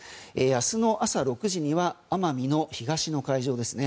明日の朝６時には奄美の東の海上ですね。